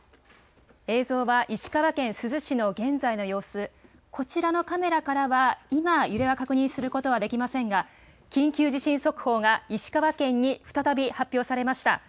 映像は石川県珠洲市の現在の様子、こちらのカメラからは今揺れは確認することはできませんが緊急地震速報が石川県に再び発表されました。